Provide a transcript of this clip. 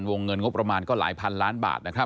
วงเงินงบประมาณก็หลายพันล้านบาทนะครับ